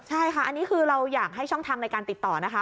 ใช่ค่ะอันนี้คือเราอยากให้ช่องทางในการติดต่อนะคะ